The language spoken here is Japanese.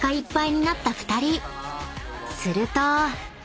［すると］